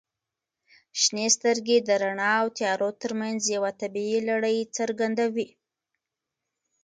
• شنې سترګې د رڼا او تیارو ترمنځ یوه طبیعي لړۍ څرګندوي.